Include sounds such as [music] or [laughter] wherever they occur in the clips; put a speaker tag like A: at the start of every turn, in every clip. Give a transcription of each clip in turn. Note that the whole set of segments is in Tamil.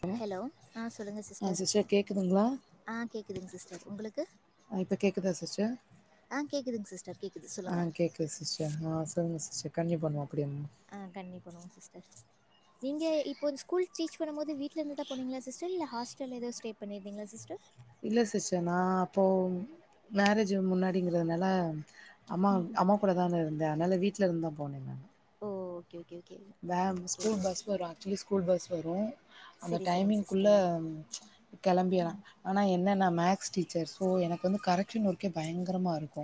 A: ஹலோ ஆ சிஸ்டர் கேக்குதுங்களா
B: ஆ கேட்குதுங்க சிஸ்டர் உங்களுக்கு
A: இப்ப கேக்குதா சிஸ்டர்
B: ஆ கேட்குதுங்க சிஸ்டர் கேட்குது
A: ஆ
B: சொல்லுங்கள்
A: கேக்குது சிஸ்டர் ஆ சொல்லுங்க ஸ்டர் கண்யூ பண்ணுவோ
B: ஆ கண்ணியூ பன்னுவோ [inaudible] நீங்க இப்ப ஸ்கூல் டீச் நும் போது வீட்ல இருந்துதா போனீங்களா சிஸ்டர் இல்ல ஹாஸ்டல்ல ஏத ஸ்டே பண்ணிருந்திங்களா சிஸ்டர்
A: இல்ல சிஸ்டர் நா அப்போ மேரேஜ் முன்னாடிங்கிறதுனால அம்மா அம்மா கூட தான இருந்தே அதனால வீட்ல இருந்து தா போனே நானு
B: ஓ ஓகே ஓகே ஓகே
A: வேம்
B: okay
A: school
B: okay
A: bus
B: sister
A: வரு ஆக்சூலி ஸ்கூல் பஸ் வரு அந்த
B: சரி சரிங்க
A: டைமிங்க்குள்ள
B: சிஸ்டர்
A: கிளம்பியலா ஆனா என்ன நா மேக்ஸ் டீச்சர் ஸோ எனக்கு வந்து கரெக்ஷன் ஒர்க்கே பயங்கரமா இருக்கு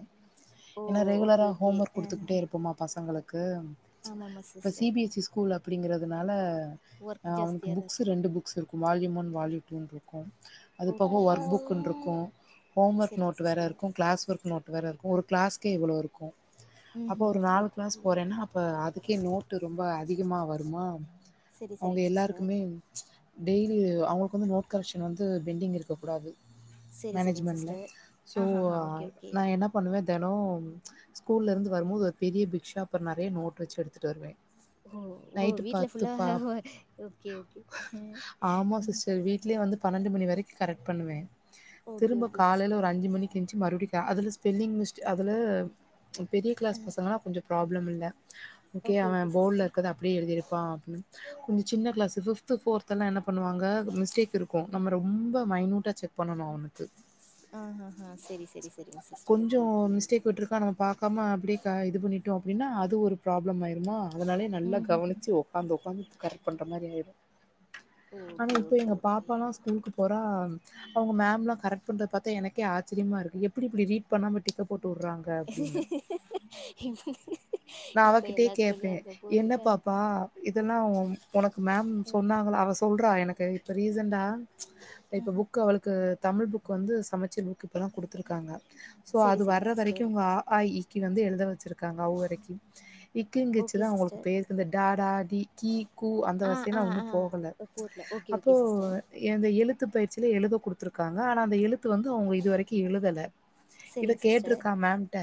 B: ஓ
A: ஏன்னா
B: ஓகே
A: ரெகுலராக
B: ஓகே
A: ஹோம் ஒர்க் குடுத்துக்கிட்டே இருப்போமா பசங்களுக்கு பேம்
B: ஆமாம் ஆமாம்
A: ப்பசி
B: சிஸ்டர்
A: சிபிஎஸ் சி ஸ்கூல் அப்டிங்கறது அதுனால
B: ஒர்க்
A: அவனுக்கு
B: ஜாஸ்தியாக தான்
A: புக்ஸ்
B: இருக்கும்
A: ரெண்டு புக்ஸ் இருக்கு வால்யூம் ஒன் வாலிம் இருக்கு
B: ஓகே
A: அதுபோக
B: ஓகே
A: ஒர்க்
B: சிஸ்டர்
A: புக்குன்றுக்கு ஹோம் ஒர்க்
B: சரிங்க
A: நோட் வேற
B: சிஸ்டர்
A: இருக்கு கிளாஸ் ஒர்க் நோட் வேற இருக்கு ஒரு கிளாஸ்கே எவ்வளோ இருக்கு
B: ம்
A: அப்ப
B: ம்
A: ஒரு நால் கிளாஸ்
B: ஓகே
A: போறேன்னா அப்ப அதுக்கே நோட் ரொம்ப அதிகமா வருமா
B: சரி
A: அவுங்க
B: சரிங்க சிஸ்டர்
A: எல்லாருக்குமே டெய்லி அவங்களுக்கு வந்து நோட் கரைக்ஷன் வந்து பெண்டிங் இருக்கக் கூடாது
B: சரி, சரிங்க
A: மேனேஜ்மெண்ட்ல
B: சிஸ்டர்.
A: சோ
B: ஆஹஹா! Okay, okay.
A: நா என்ன பண்ணுவ தெனோம் ஸ்கூல்ல இருந்து வரும்போது ஒரு பெரிய பிக்க்ஷாப்பர் நறைய நோட் வெச்சு எடுத்துட்டு வருவ
B: ஓ! ஓ!
A: நைட்டு
B: வீட்ல ஃபுல்லா
A: பத்துப்பா
B: ஓகே, ஓகே.
A: ஆமா
B: ம்.
A: சிஸ்டர் வீட்லே வந்து பன்னெண்டு மணி வரைக் கரெக்ட் பண்ணுவே
B: ஓகே,
A: திரும்போ
B: ஓகே
A: காலைல
B: சிஸ்டர்.
A: ஒரு அஞ்சு மணிக்கெஞ்சு மறுடியு தா அதுல ஸ்பெல்லிங் மிஸ்டே அதுல பெரிய
B: அ
A: கிளாஸ் பசங்கலா கொஞ்ச ஃப்ராப் உன்னமில்ல ஓகேயா
B: ஓகே, ஓகே
A: மேம் பவுல்ல
B: சிஸ்டர்.
A: இருக்குறத அப்புடியே எழுதிருப்பா ம் கொஞ்சோ சின்ன கிளாஸ்சு பிஃப்த் ஃபோர்த் த்தனா என்னப் பண்ணுவாங்க மிஸ்டேக் இருக்கு நம்ம ரொம்ப மைனுூட்டா செக் பண்ணனு அவனுக்கு
B: ஆஹஹா! சரி, சரி, சரிங்க சிஸ்டர்.
A: கொஞ்சோ
B: ஓகே, ஓகே.
A: மிஸ்டேக் போட்டுருக்கா நம்ம பாக்காம அப்படியே இது பண்ணிட் டு அப்டின்னா அது ஒரு ஃப்ராப்ளம் ஆயிருமா அதனாலயே நல்லா
B: ம்ஹ்ஹ்ம்.
A: கவனுச்சு உக்காந்து உக்காந்து கரெக்ட் பண்ற மாரி ஆயிரு ஆனா
B: ஓகே,
A: இப்போ
B: ஓகே,
A: எங்க
B: ஓகே.
A: பாப்பால்லா ஸ்கூலுக்கு போறா அவங்க மேம்லா கரெக்ட் பண்றது பாத்தா எனக்கே ஆச்சிரியமா இருக்கு எப் எப்டி இப்டி ரீட் பண்ணாம டிக்க போட்டு உடுறாங்க அப்டின்னு. நான்
B: இப்ப
A: அவகிட்டயே
B: எல்லா ஸ்கூல்லையு
A: கேப்பேன்.
B: அதாப்
A: என்ன பாப்பா இதெல்லா உனக்கு மேம்
B: அ
A: சொன்னாங்களா அவ சொல்றா எனக்கு இப்ப ரீசன்டா
B: அ
A: இப்ப புக்கு அவளுக்கு தமிழ் புக் கொந்து சமச்சுன்னுக் க்கு இப்பதா குடுத்துருக்காங்க சோ
B: சரி,
A: அது
B: சரிங்க
A: வர்ற வரைக்கு
B: சிஸ்டர்.
A: அ ஆ இ ஈ வந்து எழுது து வெச்சுருக்காங்க அவ் வரைக்கு இக்கு
B: ஓகே
A: வெச்சுதா உங்களுக்கு
B: சிஸ்டர்.
A: பேர்க்கு இந்த டா டா ஈ கீ கு அந்த
B: ஆ, ஆ,
A: வசையல்லா ஒன்னும் போகல
B: ஆ. போர்ல. ஓகே,
A: அப்போ
B: ஓகே சிஸ்டர்.
A: எந்த எழுத்து பயிற்சிலா எழுத குடுத்துருக்காங்க ஆனா அந்த எழுத்து வந்து அவங்க இதுவரைக்கு எழுதல இத
B: சரிங்க சிஸ்டர்.
A: கேட்ருக்கா மேம்ட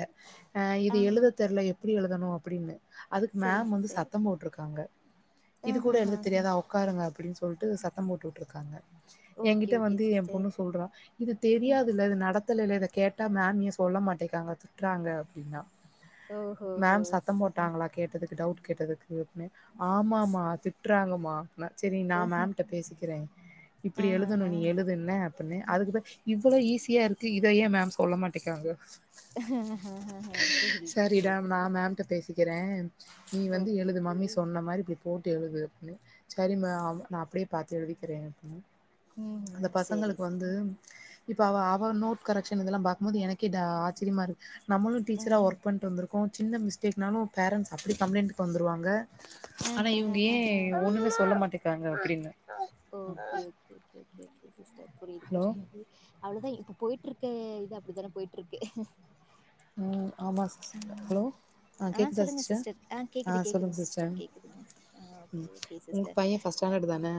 A: இது
B: ஆஹா!
A: எழுத தெர்ல எப் இப்படி எழுதணு அப்புடின்னு அதுக்கு
B: சரிங்க
A: மேம் வந்து
B: சிஸ்டர்.
A: சத்தம் போட்ருக்காங்க இது கூட எழுத
B: ஆஹஹா!
A: தெரியாதா உக்காருங்க அப்டின் சொல்ட்டு சத்தம் போட்டு உட்டுருக்காங்க
B: ஓகே
A: எங்கிட்ட
B: ஓகே
A: வந்து எம்
B: சிஸ்டர்
A: பொண்ணு சொல்றா இது தெரியாதுல்ல இது நடத்தலல்ல இத கேட்டா மேம் ஏ சொல்ல மாட்டைக்குறாங்க திட்றாங்க அப்டின்னா
B: ஓஹோஹோ
A: மேம் சத்த போட்டாங்களா கேட்டதுக்கு டவுட் கேட்டதுக்கு அப்டினு ஆமாமா திட்றாங்கமா னா சரி நா மேம்ட்ட பேசிக்கிறே
B: ஆ
A: இப்படி
B: ஹ
A: எழுதணு நீ எழுதுன்ன அப்பின்னு அதுக்குபெர இவ்வளோ ஈஸியா இருக்கு இதையே மேம் சொல்ல மாட்டேக்காங்க
B: ஹ ஹ சரி சரி
A: சரிடா நா
B: ஓகே
A: மேம்ட்ட பேசிக்கிறே நீ வந்து
B: ஓகே
A: எழுது
B: ஓகே
A: மம்மி சொன்ன மாரி இப்டி போ கூட்டி எழுது அப்டிணு சரிமா அவ நா அப்டியே பாத்து எழுதிக்கிரே அப்டினா
B: ம்
A: அந்த
B: ம் சரி
A: பசங்களுக்கு வந்து
B: சரி
A: இப்ப அவ அவ நோட் கரெஷன் இதெல்லா பாக்கும்போது எனக்கே ஆச்சரியமா இருக்கு நம்மளு டீச்சரா ஒர்க் பண்ட்டு வந்திருக்கோ சின்ன மிஸ் திட்னாலு பேரண்ஸ் அப்டி கம்ப்ளைண்ட்டுக்கு வந்துருவாங்க
B: ஆ
A: ஆனா
B: ஹ
A: இவங்க
B: ஹ
A: ஏ
B: ஹ ஹ
A: ஒண்ணுமே சொல்ல மாட்டே இருக்காங்க அப்படின்னு
B: okay okay okay okay okay sister புரியுது
A: ஹலோ
B: புரியுது அவ்ளுவுதேன் இப்ப போயிட்டு இருக்க இது அப்படித்தானே போயிட்டு இருக்கு
A: ம் ஆமா சிஸ் ஹலோ ஆ கே்குதா
B: சொல்லுங்க
A: சிஸ்டர்
B: கேட்குது
A: ஆ சொல்லுங்க
B: கேட்குதுங்க
A: சிஸ்டர்
B: கேட்குதுங்க ஆ ஓகே
A: ம்
B: ஓகே
A: உங் பையன் ஃபஸ்ட்
B: சிஸ்டர்
A: ஸ்டாண்டர்டு தான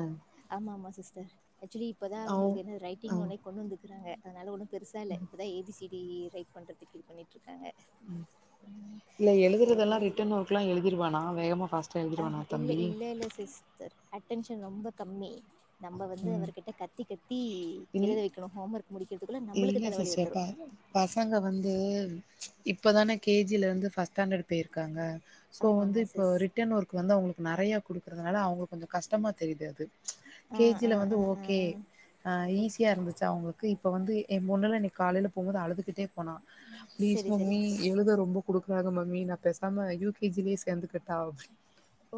B: ஆமா ஆமா சிஸ்டர் ஆக்சுவலி இப்பதான்
A: அவ்
B: அவங்களுக்கு என்ன
A: ஆ
B: ரைட்டிங் ஒே கொண்டு வந்து இருக்காங்க அதனால உட பெருசா இல்ல இப்பதா ஏபிசிடி டி ரைட் பண்றதுக்கு இத பண்ணிட் இருக்காங்க
A: இல்ல
B: போதா
A: எழுதுறதெல்லாம்
B: கூட
A: ரிட்டன் ஒர்க் எல்லாம் எழுதிருவானா வேகமா பாஸ்டா எழுதிருவானா தம்பி
B: அடென்ஷன் ரொம்ப கம்மி நம்ம வந்து
A: ம்
B: அவர்கிட்ட கத்தி கத்தி
A: இல்
B: எழுத வைக்கணும் ஹோம் ஒர்க் முடி
A: இல்ல சிஸ்டர்ப் ப பசங்க வந்து இப்பதானே கேஜில இருந்து பஸ் ஃபஸ் ஸ்டாண்டர்ட் போயிருக்காங்க சோ
B: ஆமா,
A: வந்து
B: ஆமா
A: இப்போ
B: சிஸ்.
A: ரிட்டர்ன் ஒர்க் வந்து அவங்களுக்கு நிறைய கொடுக்குறதுனால அவங்களுக்கு கொஞ்சம் கஷ்டமாக தெரியு அது
B: ஆ, ஆ,
A: கேஜில வந்து
B: ஆ, ஆ.
A: ஓகே அஹ்
B: ஓகே.
A: ஈஸியா இருந்துச்சா உங்களுக்கு இப் இப்ப வந்து என் பொன்னுலா இன்னைக்கு காலில போகும்ோது அழுதுகிட்டே போன பிளீஸ்
B: சரி,
A: மம்மி
B: சரிங்க சிஸ்.
A: எழுத ரொம்ப குடுக்குறாங்க மம்மி நான் பேசாம யூகேஜிலயே சேர்ந்து கட் அவுது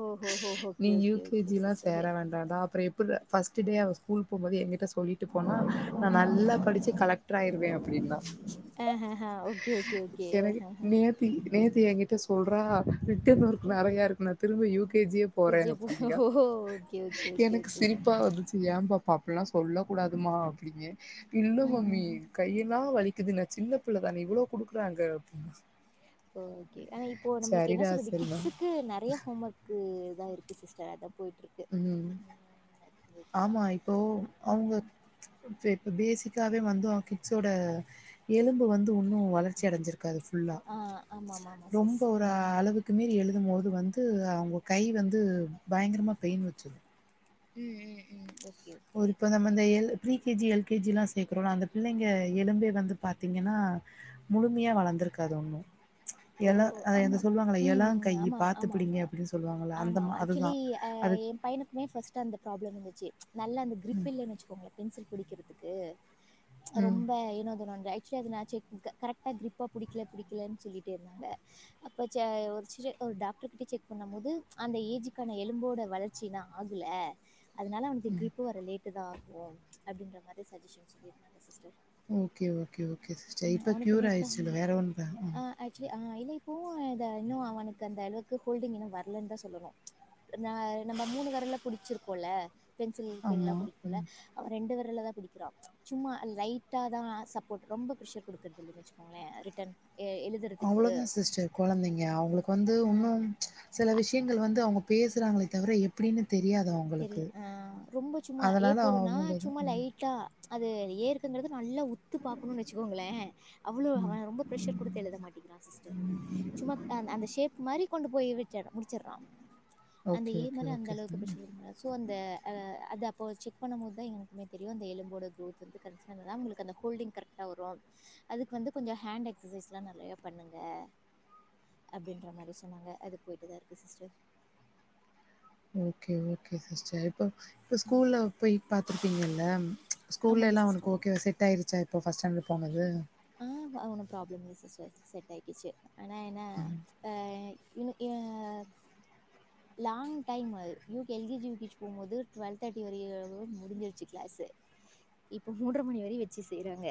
B: ஓஹோஹோ!
A: நீ
B: ஓகே, ஓகே, ஓகே
A: யூகேஜி எல்லா
B: சிஸ்டர்.
A: சேர வேண்டா டா அப்றே எப்புறா ஃபர்ஸ்ட் டே அவ ஸ்கூல் போகும்போது எங்க்கிட்ட சொல்லிட் போனா நா நல்லா படிச்சு கலெக்டர் ஆயிருவே அப்டின்னா
B: அ அ ஓகே ஓகே ஓகே அ அ
A: எங்கிட்ட சொல்றா ரிட்டன் ஒர்க் நெறையா இருக்கு நா திரும்ப யூகேஜியே போறே
B: விஜய்பு
A: அப்படிங்கா
B: ஓ ஓகே ஓகே ஓகே
A: எனக்கு
B: ஓகே
A: சிரிப்பா வந்துச்சு ஏ பாப் அப்புல்லா சொல்ல கூடாதுமா அப்டிங்கே இல்ல மம்மி
B: ம்ஹ்ம்.
A: கையெல்லா வலிக் க்கிதுன சின்ன பிள்ளே தானே இவ்ளோ குடுக்குறாங்க அப்டி
B: ஓகே ஆனா இப்போ நம்புளுக்கு என்ன சொல்றது
A: சரி மேம்
B: கிட்ஸ்சுக்கு நறியா ஹோம் ஒர்க்கு இதாயிருக் சிஸ்டர் அதப்
A: உம்
B: கொஞ்சம் பண்ணலாம்.
A: ஆமா இப்போ
B: ஆ
A: அவங்க சேர் பேசிக்காவே வந்து கிட்ஸ்ஸோட எலும்பு வந்து த்து உன்னு வளர்ச்சி அடைஞ்சிருக்காது ஃபுல்லா
B: ஆ ஆமாமாமா சிஸ்.
A: ரொம்ப ஒரா
B: ம்.
A: அளவுக்கு மீறி எழு த்து போது வந்து அவுங்க கை வந்து பயங்கரமா பெயின் வச்சுரு
B: உம் உம் உம்
A: ஒருத்தங்க நம்மந்த எல் ப்ரீகேஜி எல்கேஜிலா சேக்குறோல அந்த பிள்ளைங்க எலும்பே வந்து பாத்தீங்கன்னா முழுமையா வளர்ந்துருக்காது ஒன்னு
B: ஓ
A: எல அ
B: ஆமா.
A: எந்த சொல்லுவாங்கள எலா
B: ம்
A: கை
B: ஆமாமா
A: பாத்து பிடிங்க
B: ஆமாமா.
A: அப்டி சொல்லுவாங்குள அந்த
B: ஆமாமா.
A: மா அதுதா
B: ஆக்சுவலி அ
A: அது
B: நல்ல அந்த கிரிப்
A: ம்,
B: இல்லைன் வெச்சுங்கோங்களே பென்சில் பிடிக்கிறதுக்கு
A: ம்.
B: ரொம்ப ஏனாதுன அங்காயிட் சோ நா செக் குடுத்த கரெக்ட்டா கிரிப்பா பிடிக்க படிக்கலன் சொல்லிட் ட்டே இருந்தாங்க அப்ப ச ஒரு சிலர் ஓ டாக்டர் கிட்ட செக் பண்ணு போது அந்த ஏஜுக்கான எலும்போட வளர்ச்சி இன்னு ஆகுல அதுனால அவுனக்கு கிரிப்பு வர லேட் ட்டு தா ஆகும் அப்பிடின்ற மாரி சஜெஷன் சொல்லியிருந்தாங்க sister
A: okay okay okay sister
B: ம்
A: இப்ப
B: அவனுக்குமே
A: கியூர்
B: கூட
A: ஆயிருச்சுல்ல வேற ஒண்ணுதா
B: ஆ
A: ம்
B: ஆ ஆக்சுவலி இல்ல இப்பவு இதா இன்னு அவனுக்கு அந்த அளவுக்கு ஹோல்டிங் இன்னு வரலன்னு தா சொல்லுவோ நா நம்ப மூணு வரல்ல புடிச்சிருக்கோல பென்சில் பென்லா
A: ஆமா. ம்.
B: குடிப்புல அவ ரெண்டு வர் ர்லா தா பிடிக்கிறா சும்மா லைட்டா தா சப்போட் ரொம்ப பிரஷர் குடுக்குறதுல்ல வெச்சுக்கோங்களே ரிட்டன் எ எழுதுறதுக்கு
A: அவ்ளோதா சிஸ்டர் கொழந்தைங்க அவுங்களுக்கு வந்து உன்னும் சில விஷயங்கள் வந்து அவுங்க பேசுறாங்களே தவிர எப்பிடின்னு
B: தெரியு ஆ ரொம்ப சும்மா ஏ
A: அதனால
B: போடுன்னா
A: அவங்க தான்
B: சும்மா
A: ம்,
B: லைட்டா அது ஏருக்குங்கறது நல்லா உத்து பாக்குனு வெச்சுக்கோங்களே அவ்ளோ
A: ம்.
B: அவ ரொம்ப பிரஷர் குடுத்து எழுத மாட்டிங்கிறா சிஸ்டர் சம்மாப் அந்தே சேப் மாரி கொண்டு போய் விட்டு முடிச்சடுறான்
A: ஓகே ஓகே ஓகே
B: குடுக்க சோ அந்த அத அப்போ செக் பண்ணும்போது தான் எங்கக்குமே தெரியும் அந்த எலும்போட க்ரோத் வந்து கன்சர்ன் தான் உங்களுக்கு அந்த ஹோல்டிங் கரெக்டாக வரும் அதுக்கு வந்து கொஞ்சம் ஹேண்ட் எக்ஸசைஸ்லாம் நிறையா பண்ணுங்க அப்படின்ற மாதிரி சொன்னாங்க அது போய்டட்டு தான் இருக்குது சிஸ்டர்
A: ஓகே ஓகே சிஸ்டர் இப்ப ஸ்கூல்ல போய் பாத்துருப்பீங்கல்ல ஸ்கூல்ல
B: ஆமாங்
A: எல்லாம் அவனுக்கு
B: சிஸ்டர்
A: ஓகே செட் ஆயிருச்சா இப்போ ஃபர்ஸ்ட்டாண்டில் போனது
B: ஆஹ் ஒம் ப்ராப்ளம் இல்ல சிஸ்டர் செட் ஆச்சு ஆனா என்ன ஆஹ இ லாங் டைம் அது எல்கேஜி யுகேஜிக்கி போகும்போது டுவெல்வ தேர்ட்டி வர முடிஞ்சிருச்சு கிளாஸ் இப்போ மூன்ற மணி வரை வச்சு செய்யறாங்க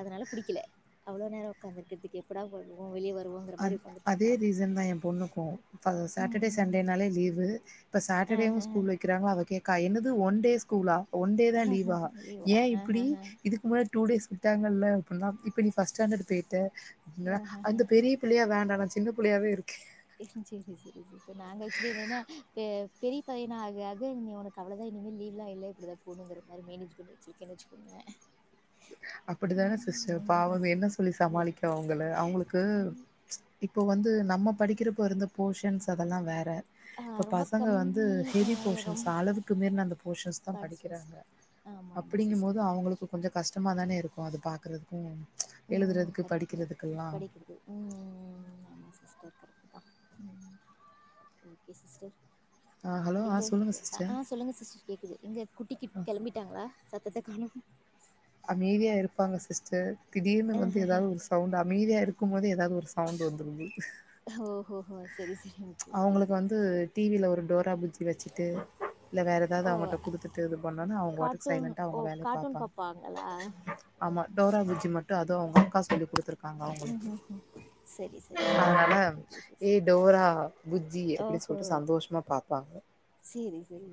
B: அதனால புடிக்கல அவ்வளோ நேரம் உக்காந்துக்கறக்கு எப்படா போ வருவோம் வெளியே வ
A: அ அதே ரீசன் தான் என் பொண்ணுக்கும் இ
B: ம்
A: சாட்டர்டே
B: ம்
A: சண்டேனாலே லீவு இப்ப
B: ஆஹ
A: சாட்டடேவும் ஸ்கூல் வெக்கிறங்கள அதை அக்கா என்னது ஒன் டே ஸ்கூலா ஒன் டே தான் லீவா
B: ஆஹ லீவா
A: ஏன் இப்படி
B: ஆஹஹ
A: இதுக்கு முன்னே டூ
B: செரி
A: டேஸ் கொடுத்தாங்கல்ல இப்ப நீ பர்ஸ்ட் ஸ்டாண்டர்ட் போய்ட்டு
B: ஆஹ் ஹஹ
A: புள்ளியா வேண்டாம் சின்ன புள்ளியாவே இருக்க
B: எ செரி செரி செரி நாங்க ஆச்சுலி என்னனா பெரிய பையன ஆக ஆக இனி உனக்கு அவ்வளதான் இனிமே லீவ்லாம் இல்லை இப்படிதான் போணுங்கிற மாதிரி மேனஜ் பண்ண வச்சிருக்கேன்னு வச்சுக்கோங்களே
A: அப்படித்தானே சிஸ்டர் பாவம்
B: ம்
A: அவங்க என்ன சொல்லி சமாளிக்க அவங்க அவங்களுக்கு இப்போ வந்து நம்ம படிக்கிறப்போ இருந்த போர்ஷன்ஸ் அதெல்லாம் வேற
B: ஆ
A: இப்ப
B: ரொம்ப
A: பசங்க வந்து
B: கம்மி ஆ
A: ஹெவி போர்ஷன்ஸ்
B: ரொம்ப
A: அளவுக்கு மேல அந்த போர்ஷன்ஸ் தான்
B: படிச்சேன்
A: படிக்கிறாங்க
B: ஆமா ஆமா
A: அப்படிங்கும் போது
B: சிஸ்டர்
A: அவங்களுக்கு கொஞ்சம் கஷ்டமாக தானே இருக்கும் அது பார்க்குறதுக்கும்
B: உம் கரெக்ட தான் படிக்கிறது உம் ஆமா சிஸ்டர் சிஸ்டர்
A: ஆ ஹலோ ஆ
B: எங்க
A: சொல்லுங்க சிஸ்டர்
B: ஆஹ் சொல்லுங்க சிஸ்டர் கேக்குது எங்க குட்டிக்கி கெளம்பிட்டாங்களா சத்தத்தை காணோம்
A: அமைதியா இருப்பாங்க சிஸ்டர் திடீர்னு வந்து ஏதாவது ஒரு சவுண்ட் அமைதியா இருக்கும் போது ஏதாவது ஒரு சவுண்ட் வந்துரும்
B: ஓஹோஹோ செரி செரி ஓகே ஓகே
A: அவங்களுக்கு
B: ஓகே
A: வந்து
B: சிஸ்டர்
A: டிவில ஒரு டோராபுஜ்ஜி வச்சுட்டு இல்ல வேற ஏதாவது
B: ஓ
A: அவங்க்ட குடுத்துட்டு இது பண்ணோனா அவங்கபாட்டுக்கு
B: கார்ட்டூன்
A: சைலண்டா
B: ஓ
A: அவங்க வேைய
B: கார்ட்டூன்
A: பார்ப்பாங்க
B: பார்ப்பாங்களா
A: ஆமா டோராபுஜ்ஜி மட்டும் அதுவும் அவுங்க அக்கா சொல்லி கொடுத்துருக்கு
B: ம் ம் ம் சரி சரி சரி சரி
A: அதனால
B: ஓகே ஓகே ச ச
A: ஏ டோரா புஜ்ஜி அப்டி சொல்ட்டு சந்தோஷமா பாப்பாங்க
B: சரி சரி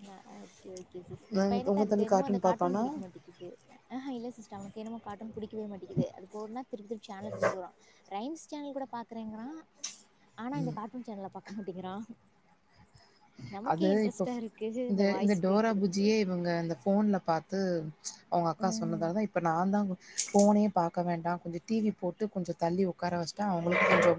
B: [inaudible] ஓகே சிஸ் என் பையனுக்கு
A: உங்க
B: அதுக்கு
A: தம்பி
B: என்மோ அந்த
A: கார்ட்டூன்
B: காட்டன்
A: பாப்பானா
B: புடிக்க மாட்டேக்குது அஆ இல்ல சிஸ்டர் அவனுக்கு என்னமோ காட்டன் புடிக் இருவே மாட்டிக்குது அது போனா திருப் திருப் சேனல திருப்பி வுடுரா ரைம்ஸ் சேனல் கூட பாக்கறேங்கறா ஆனா இந்த கார்ட்டூன் சேனல பாக் மாட்டிக்கிறா
A: அது இப்ப இந்த இந்த
B: வாய்ஸ்
A: டோரா
B: கேட்குறதுக்கு
A: புஜ்ஜியே இவங்க இந்த போன்ல பாத்து [inaudible] அவுங்க அக்கா சொன்னதால இப்ப நான் தான் கு போனே பாக்க வேண்டா கொஞ்சோ டிவி போட்டு கொஞ்சோ தள்ளி உக்கார வச்சுட்ட அவங்கள கொஞ்சோ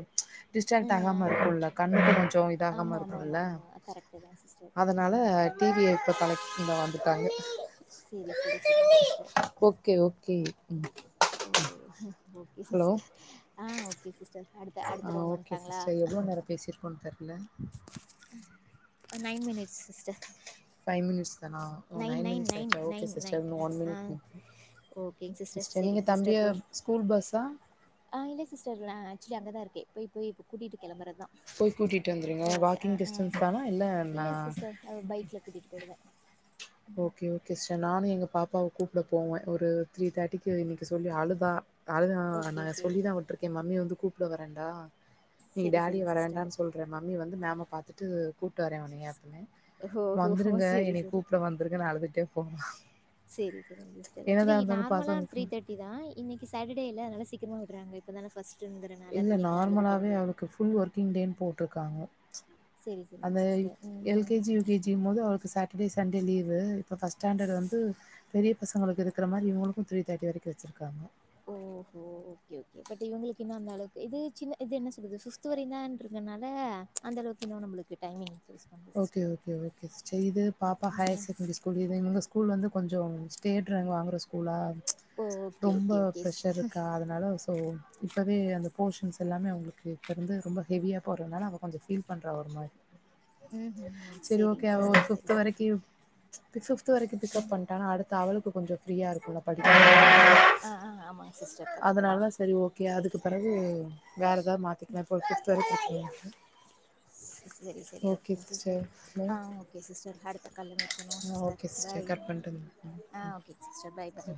A: டிஸ்ட்ர்ன்ட் ஆகாம இருக்கும்ல இல்ல கண்ணுக்கும் கொஞ்ச இது ஆகாம
B: ஆமாம் ஆமாம் ஆமாம்
A: இருக்கும்ல
B: ஆமாம் கரெக்டு தான் சிஸ்டர் ம்
A: அதனால
B: ம் ம் ம்
A: டிவிய இப்ப கனெக்ட் தோ வந்துட்டாங்க
B: சேரி சேரி சேரிங்க சிஸ்டர்
A: ஓகே ஓகே
B: ம் ஓகே
A: ஹலோ
B: சிஸ்டர் அ ஓகே சிஸ்டர் அடுத்த
A: ஆ
B: அடுத்த ரவுண்ட வந்
A: ஓகே சிஸ்டர் எவ்வளோ நேரம் பேசியிருக்கோன் தெர்ல
B: nine minutes sister
A: five minutes ஆ ஓ நைன் மினிட்ஸ் ஆயிச்சா ஓகே சிஸ்டர் இன்னு ஒன் மினிட்
B: ஓகேங்க
A: சிஸ்டர் நீங்க
B: சேரிங்க
A: தம்பிய
B: சிஸ்டர் போய்
A: ஸ்கூல் பஸ்ஸா
B: அங்கதா இருக்க போய் போய் கூட்டிட்டு கெளம்புறதுதா
A: போய் கூட்டிட்டு வந்துருங்க
B: ஓ அத அ
A: வாக்கிங்
B: ஆ
A: டிஸ்டன்ஸ் தானா இல்ல நா
B: இல்லை சிஸ்டர் அவுர் பைக்ல கூட்டிட்டு போயிடுவே
A: ஓகே ஓகே சிஸ்டர் நானு எங்க பாப் அப்பாவ கூப்ட போவ ஒரு த்ரீ தேட்டிக்கு இன்னிக்கு சொல்லி அழுதா அழுதா
B: ஓகே
A: நா
B: ஓகே
A: சொல்லி தா விட்ருக்கே மம்மி வந்து கூப்ட வரண்டா இன்னிக்கு
B: சரி
A: டாடி
B: சரிங்க
A: வரவேண்டா
B: சிஸ்டர்
A: சொல்ற மம்மி வந்து மேம்ம பாத்துட்டு கூப்ட்டு வரேன் அவனைய அப்டின்னா
B: ஓ ஓ ஓ
A: வந்துருங்க
B: சரி
A: எனை கூப் இருக்கேன் அழுதுட்டே போ
B: சேரி சேரிங்க சிஸ்டர் ஆக்சால்லி நார்மலா த்ரீ
A: பசங்களுக்கு
B: தேட்டி தா இன்னைக்கு சாட்டடே இல்ல அதனால சீ சீக்கிரமா விடறாங்க இப்ப தானே ஃபர்ஸ்ட்
A: இல்ல நார்மலாவே அவளுக்கு ஃபுல் ஒர்க்கிங் டேன் போட்டு இருக் காணோ
B: சரி, சரிங்க
A: அந்த
B: சிஸ்டர்.
A: எல்கேஜி
B: ம்ஹ்ஹ்ம்.
A: யூகேஜிம் போது அவளுக்கு சாட்டர்டே சண்டே லீவு இப்ப ஃபர்ஸ்ட் ஸ்டாண்டர்ட் வந்து பெரிய பசங்களுக்கு இருக்கிற மாரி இவங்களுக்கு த்ரீ தேட்டி வரைக்கு வச்சருக்காங்க
B: ஓஹோ ஓகே ஓகே பட் இவங்களுக்கு இன்னு அந்த அளவுக்கு இது சின்ன இது என்ன சொல்றது ச வரை தா இருக்கனால அந்த அளவுக்கு இன்னும் நம்மளுக்கு டைமிங் இன்க்ரீஸ் பண்ணல
A: okay
B: sister.
A: Okay okay sister இது பாப்பா ஹையர்
B: ம்.
A: செகண்டரி ஸ்கூல் இங்க ஸ்கூல் வந்து கொஞ்ச ஸ்டேட் ரேங்க் வாங்க ஸ்குலா
B: ஓ! ஓகே, ஓகே,
A: ரொம்ப
B: ஓகே.
A: பிரஷர் இருக்கா அதனால சோ இப்பவே அந்த போர்ஷன்ஸ் எல்லாமே அவங்களுக்கு இப்போருந்து ரொம்ப ஹெவியாக போகறதுனால அவ கொஞ்ச ஃபீல் பண்ணற ஒரு மாரி
B: ம்ஹ்ஹ்ம்.
A: சரி ஓகே
B: சரிங்க
A: அவ ஒரு
B: சிஸ்டர். சரி,
A: ஃபிவ்த்
B: சரி.
A: வரைக்கு பிக்கப் பண்ணிட்டான அடுத்த அவளுக்கு கொஞ்ச ஃப்ரீயா இருக்கு படிக்க
B: ஆ, ஆ. ஆமாங்க சிஸ்டர் கரெக்ட்டு
A: அதனால
B: தான்.
A: தா சரி ஓகே அதுக்கு பிறகு வேறு ஏதாவது மாத்திக்கலா இப்போ ஃபிவ்த் வரைக்கு
B: சரி சரி
A: ஓகே
B: ஓகேங்க சிஸ்டர்
A: ஹலோ
B: ஆ ஓகே சிஸ்டர் அடுத்த கல்யாண வைக்கணு
A: ஆ
B: சிஸ்டர்
A: ஓகே
B: பாய்
A: கட் பண்ட்டுங்களா
B: அ
A: ம்
B: ஓகே சிஸ்டர் பாய் பாய்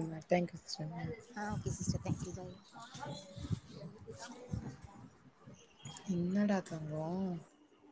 A: ம் தேங்க்யூ சிஸ்டர்
B: ஆ ஓகே சிஸ்டர் தேங்க்யூ பாய்
A: என்னடா தங்கோ